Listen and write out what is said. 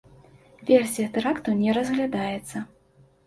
Версія тэракту не разглядаецца.